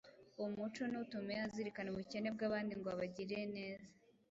uwo muco ntutume azirikana ubukene bw’abandi ngo abagirire neza,